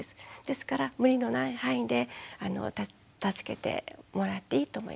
ですから無理のない範囲で助けてもらっていいと思います。